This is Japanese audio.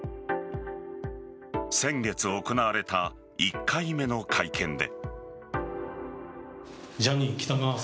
先月行われた１回目の会見で。